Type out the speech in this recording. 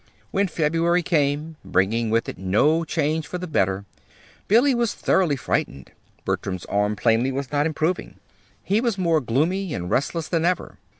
When February came, bringing with it no change for the better, Billy was thoroughly frightened. Bertram's arm plainly was not improving. He was more gloomy and restless than ever.